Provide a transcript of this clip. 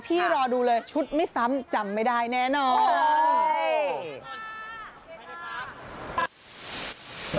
รอดูเลยชุดไม่ซ้ำจำไม่ได้แน่นอน